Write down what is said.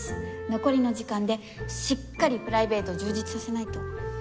残りの時間でしっかりプライベートを充実させないと。